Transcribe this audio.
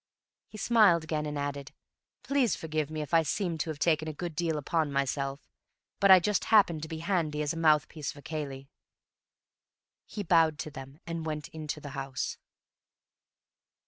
He smiled again and added, "Please forgive me if I seem to have taken a good deal upon myself, but I just happened to be handy as a mouthpiece for Cayley." He bowed to them and went into the house.